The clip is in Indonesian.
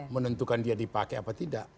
menentukan dia dipakai apa tidak